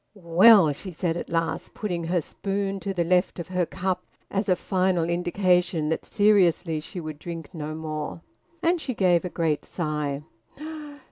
"Well!" she said at last, putting her spoon to the left of her cup as a final indication that seriously she would drink no more. And she gave a great sigh.